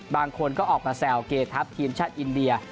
บางคนก็ออกมาแซวเกทัพทีมชาติอินเดีย